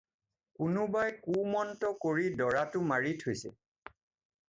কোনোবাই কুমন্ত্ৰ কৰি দৰাটো মাৰি থৈছে।